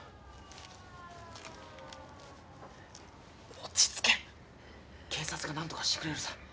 落ち着け警察がなんとかしてくれるさ